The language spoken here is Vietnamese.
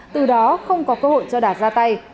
từ đó không có cơ hội cho đạt ra tay